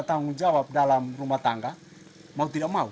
tanggung jawab dalam rumah tangga mau tidak mau